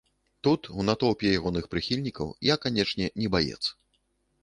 Тут, у натоўпе ягоных прыхільнікаў, я, канечне, не баец.